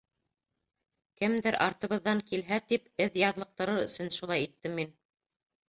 Кемдер артыбыҙҙын килһә тип, эҙ яҙлыҡтырыр өсөн шулай иттем мин.